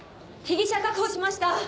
被疑者確保しました！